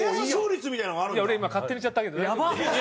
俺今勝手に言っちゃったけど大丈夫？